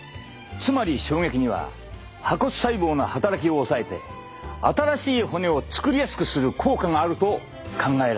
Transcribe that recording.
つまり衝撃には破骨細胞の働きを抑えて新しい骨を作りやすくする効果があると考えられるのだ。